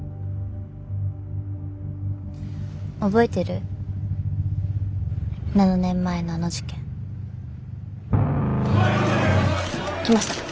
覚えてる？７年前のあの事件。来ました。